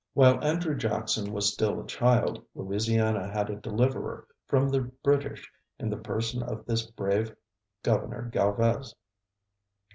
While Andrew Jackson was still a child, Louisiana had a deliverer from the British in the person of this brave Gov. Galvez.